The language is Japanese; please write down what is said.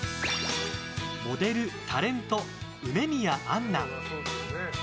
モデル、タレント梅宮アンナ。